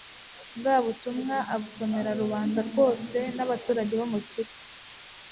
bwa butumwa abusomera rubanda rwose n'abaturage bo mu kigo